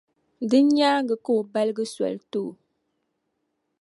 Din nyaaŋa ka O balgi soli n-ti o.